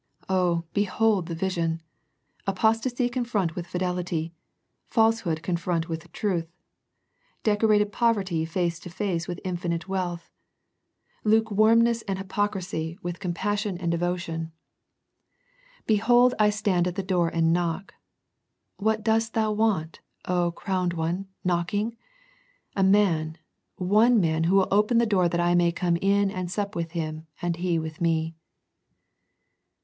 Oh, behold the vision. Apostasy confront with fidelity, falsehood confront with truth, decorated poverty face to face with infinite wealth, lukewarmness and hypocrisy with lUi ^U 212 A First Century Message compassion and devotion. " Behold, I stand at the door and knock." What dost thou want, oh, crowned One, knocking ? A man, one man who will open that I may come in and sup with him, and he with Me.